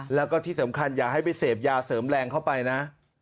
แล้วก็ที่สำคัญอย่าให้ไปเสพยาเสริมแรงเข้าไปนะ